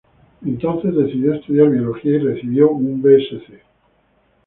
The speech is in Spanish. Entonces, decidió estudiar Biología y recibió un B.sc.